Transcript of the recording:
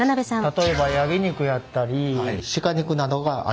例えばヤギ肉やったり鹿肉などがありました。